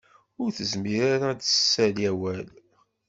Ur tezmir ara ad d-tessali awal.